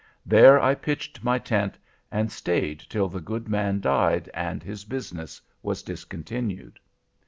There I pitched my tent, and stayed till the good man died, and his business was discontinued.